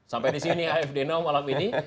sampai disini afd now malam ini